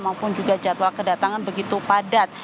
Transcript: maupun juga jadwal kedatangan begitu padat